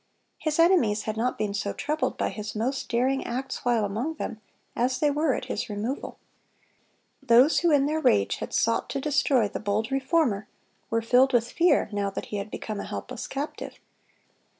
His enemies had not been so troubled by his most daring acts while among them, as they were at his removal. Those who in their rage had sought to destroy the bold Reformer, were filled with fear now that he had become a helpless captive.